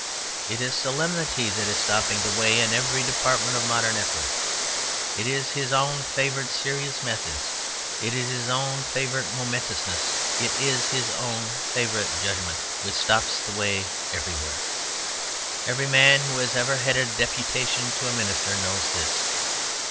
It is solemnity that is stopping the way in every department of modern effort. It is his own favourite "serious methods;" it is his own favourite "momentousness;" it is his own favourite "judgment" which stops the way everywhere. Every man who has ever headed a deputation to a minister knows this.